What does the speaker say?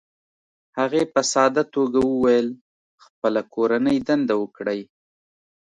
هغې په ساده توګه وویل: "خپله کورنۍ دنده وکړئ،